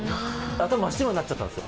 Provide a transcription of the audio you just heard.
頭真っ白になっちゃったんですよ。